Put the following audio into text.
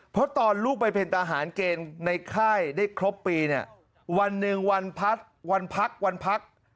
เพราะตอนลูกไปเป็นทหารเกณฑ์ในค่ายได้ครบปีเนี่ยวันหนึ่งวันพักวันพักวันพัก